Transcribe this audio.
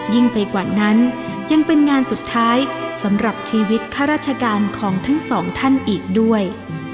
ยิ่งไปกว่านั้นยังเป็นงานสุดท้ายสำหรับชีวิตข้าราชการของทั้งสองท่านอีกด้วย